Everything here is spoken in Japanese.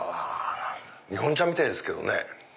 日本茶みたいですけどね。